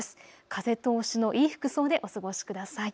風通しのいい服装でお過ごしください。